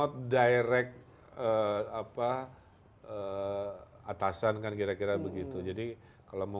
tidak langsung atasan kan kira kira begitu